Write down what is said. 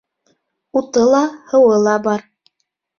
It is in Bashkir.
Уты ла, һыуы ла бар.